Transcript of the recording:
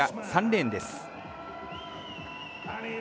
３レーンです。